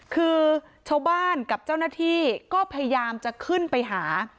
คือชาวบ้านกับเจ้าหน้าที่ก็พยายามจะขึ้นไปหา